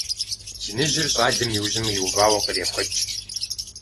Иныжьыр щӀалэм и ужьым иувауэ кърехуэкӀ.